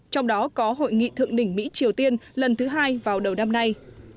trong đó có hội nghị thượng đỉnh mỹ triều tiên lần thứ hai vào đầu năm nay